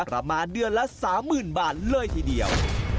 ประมาณเดือนละสามหมื่นบาทเลยทีเดียว